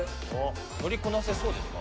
乗りこなせそうですか？